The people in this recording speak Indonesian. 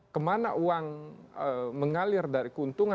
kemana uang mengalir dari keuntungan